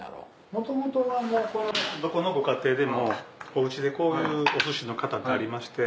元々はどこのご家庭でもお家でこういうお寿司の型ってありまして。